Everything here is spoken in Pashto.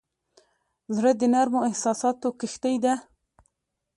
زړه د نرمو احساساتو کښتۍ ده.